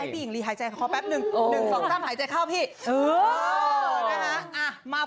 โปรดติดตามตอนต่อไป